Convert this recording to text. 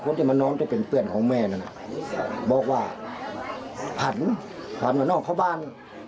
ที่มาน้อมจะเป็นเพื่อนของแม่นั้นบอกว่าผันผ่านมานอกเข้าบ้าน